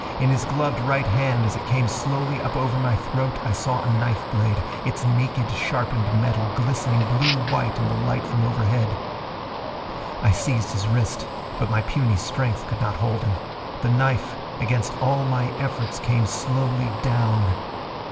In his gloved right hand as it came slowly up over my throat I saw a knife blade, its naked, sharpened metal glistening blue white in the light from overhead. I seized his wrist. But my puny strength could not hold him. The knife, against all my efforts, came slowly down.